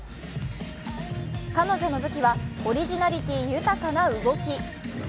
彼女の武器はオリジナリティー豊かな動き。